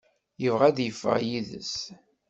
Yebɣa ad yeffeɣ yid-s.